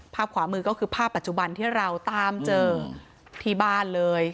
ขวามือก็คือภาพปัจจุบันที่เราตามเจอที่บ้านเลย